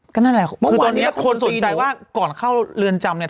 ก็นั่นแหละคือตอนนี้คนสนใจว่าก่อนเข้าเรือนจำเนี่ย